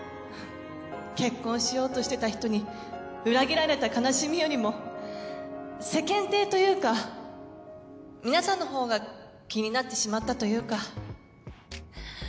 結婚しようとしてた人に裏切られた悲しみよりも世間体というか皆さんのほうが気になってしまったというか。